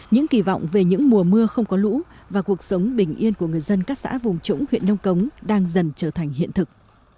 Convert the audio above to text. những kỳ vọng về những mùa mưa không có lũ và cuộc sống bình yên của người dân các xã vùng trũng huyện nông cống đang dần trở thành hiện thực